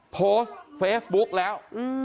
โพสต์เฟซบุ๊กแล้ว